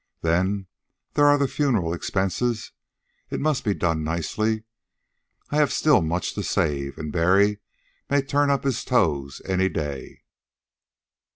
Then there are the funeral expenses. It must be done nicely. I have still much to save. And Barry may turn up his toes any day."